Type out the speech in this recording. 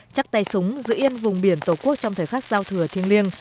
chắc tay súng giữ yên vùng biển tổ quốc trong thời khắc giao thừa thiên liêng